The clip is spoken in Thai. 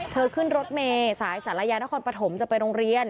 ขึ้นรถเมย์สายศาลยานครปฐมจะไปโรงเรียน